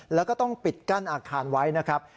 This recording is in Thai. แล้วก็ต้องปิดกั้นอาคารไว้นะครับ